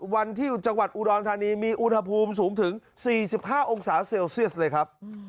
วันที่จังหวัดอุดรธานีมีอุณหภูมิสูงถึง๔๕องศาเซลเซียสเลยครับ